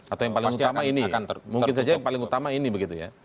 atau yang paling utama ini mungkin saja yang paling utama ini begitu ya